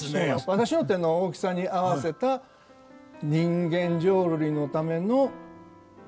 私の手の大きさに合わせた人間浄瑠璃のためのまあ。